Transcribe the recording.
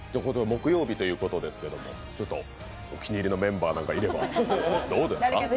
木曜日ということですけれどもお気に入りのメンバーなんかいれば？